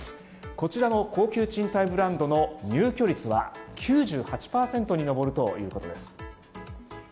こちらの高級賃貸ブランドの入居率は９８％に上るということです。